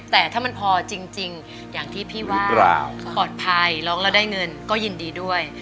แต่ถ้ามันพอจริงอย่างที่พี่ว่าปลอดภัยร้องแล้วได้เงินก็ยินดีด้วย